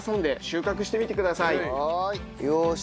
よし。